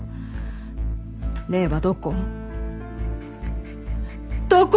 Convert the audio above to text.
礼はどこ？